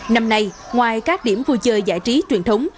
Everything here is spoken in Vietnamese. năm nay ngoài các điểm vui chơi giải trí truyền thống